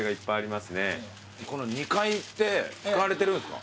この２階って使われてるんすか？